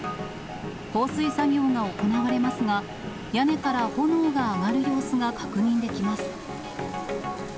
放水作業が行われますが、屋根から炎が上がる様子が確認できます。